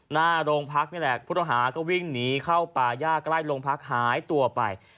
หน้าโรงพักนี่แหละผู้ต้องหาก็วิ่งหนีเข้าป่าย่าใกล้โรงพักหายตัวไป